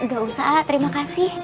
gak usah a terima kasih